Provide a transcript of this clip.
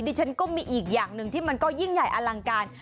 ฉันก็มีอีกอย่างหนึ่งที่มันก็ยิ่งใหญ่อลังการ